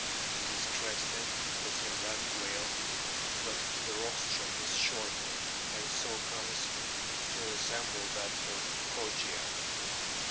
It is crested, as in that whale, but the rostrum is shorter, and so comes to resemble that of Kogia.